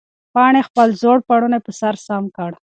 پاڼې خپل زوړ پړونی په سر سم کړ.